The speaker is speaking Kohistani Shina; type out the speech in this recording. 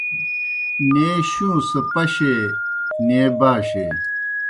نیں شُوں سہ پشیئے، نیں باشیئے